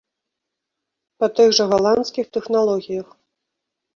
Па тых жа галандскіх тэхналогіях.